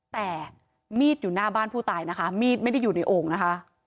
แต่มีดอยู่หน้าบ้านผู้ตายนะคะมีดไม่ได้อยู่ในโอ่งนะคะ